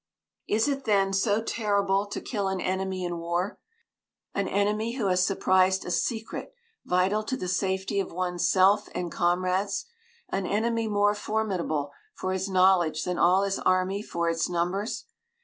Is it, then, so terrible to kill an enemy in war an enemy who has surprised a secret vital to the safety of one's self and comrades an enemy more formidable for his knowledge than all his army for its numbers?